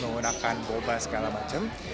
menggunakan boba segala macam